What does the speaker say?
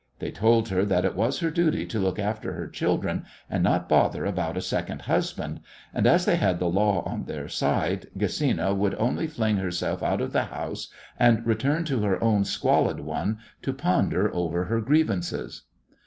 They told her that it was her duty to look after her children and not bother about a second husband, and as they had the law on their side Gesina would only fling herself out of the house and return to her own squalid one to ponder over her grievances.